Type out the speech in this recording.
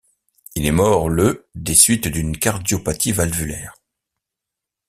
Il est mort le des suites d’une cardiopathie valvulaire.